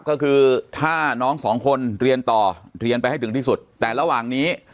ก็คือถ้าน้องสองคนเรียนต่อเรียนไปให้ถึงที่สุดแต่ระหว่างนี้